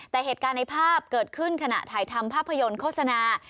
แต่เหตุการณ์ในภาพเกิดขึ้นขณะถ่ายทำภาพยนตร์โฆษณา